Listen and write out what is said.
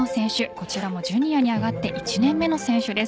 こちらもジュニアに上がって１年目の選手です。